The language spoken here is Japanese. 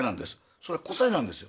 それは個性なんですよ